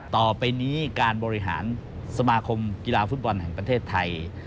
ต่อไปนี้การบริหารสมาคมกีฬาฟุตบอลแห่งประเทศไทย